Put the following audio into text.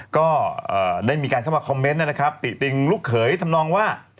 ก็ได้มีการเข้ามาคอมเมนต์นะครับติติงลูกเขยทำนองว่า